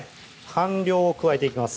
半量を加えていきます